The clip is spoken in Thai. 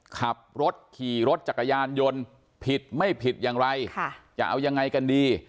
ขับรถขี่รถจักรยานยนต์ผิดไม่ผิดอย่างไรจะเอายังไงกันดี